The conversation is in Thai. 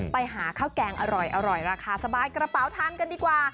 ไปหาข้าวแกงอร่อยราคาสบายกระเป๋าทานกันดีกว่า